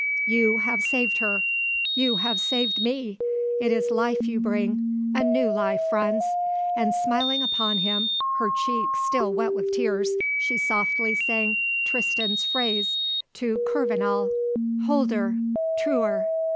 You have saved her; you have saved me; it is life you bring a new life, Franz," and smiling upon him, her cheeks still wet with tears, she softly sang Tristan's phrase to Kurvenal: "_Holder! Treuer!